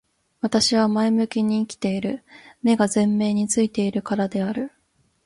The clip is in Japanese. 私は前向きに生きている。目が前面に付いているからである。